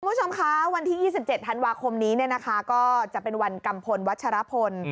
คุณผู้ชมคะวันที่๒๗ธันวาคมนี้ก็จะเป็นวันกำพลวัชฌาพนธ์